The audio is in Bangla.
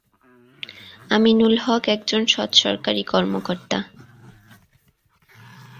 আমিনুল হক একজন সৎ সরকারি কর্মকর্তা।